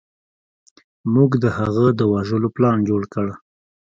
موږ د هغه د وژلو پلان جوړ کړ.